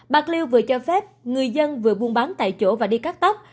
bạc liêu vừa cho phép người dân vừa buôn bán tại chỗ và đi cắt tóc